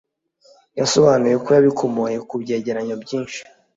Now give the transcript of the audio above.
yasobanuye ko yabikomoye ku byegeranyo byinshi